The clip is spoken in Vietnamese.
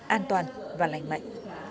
an toàn và lành mạnh